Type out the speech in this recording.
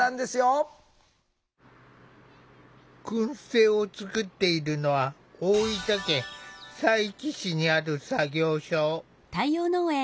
くん製を作っているのは大分県佐伯市にある作業所。